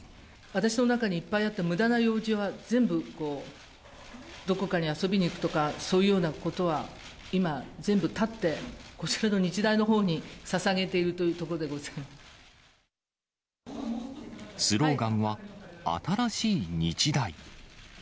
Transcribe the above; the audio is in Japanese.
私の中にいっぱいあったむだな用事は全部こう、どこかに遊びに行くとか、そういうようなことは、今全部絶って、こちらの日大のほうにささげているというところでスローガンは、新しい日大。